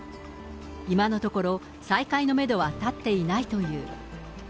今のところ、再開のメドは立っていないという。